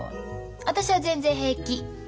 私は全然平気。